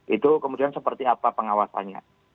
itu kemudian seperti apa pengawasannya